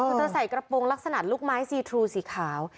คือเธอใส่กระโปรงลักษณะลูกไม้ซีทรูสีขาว